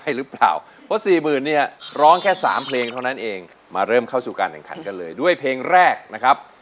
อินโทรเพลงที่๑มาเลยครับ